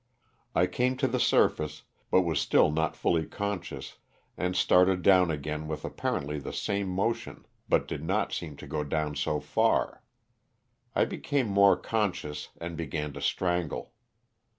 I came to the surface, but was still not fully conscious, and started down again with apparently the same motion but did not seem to go down so far. I became more conscious, and began to strangle.